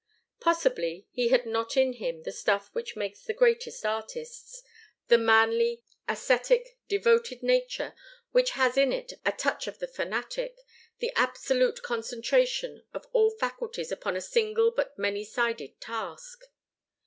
Possibly he had not in him the stuff which makes the greatest artists the manly, ascetic, devoted nature which has in it a touch of the fanatic, the absolute concentration of all faculties upon a single but many sided task.